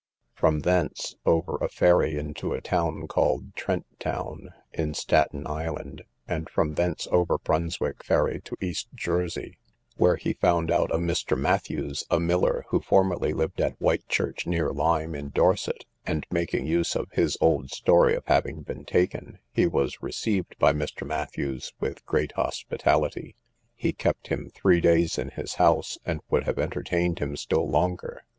From thence over a ferry, into a town called Trent town, in Staten island; and from thence over Brunswick ferry to East Jersey, where he found out a Mr. Matthews, a miller, who formerly lived at Whitechurch, near Lime, in Dorset; and, making use of his old story of having been taken, he was received by Mr. Matthews with great hospitality; he kept him three days in his house, and would have entertained him still longer.